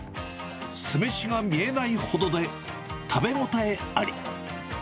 酢飯が見えないほどで食べ応えあり。